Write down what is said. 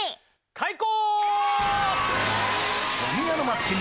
開講！